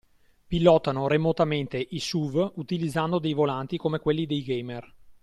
Pilotano remotamente i SUV utilizzando dei volanti come quelli dei gamer.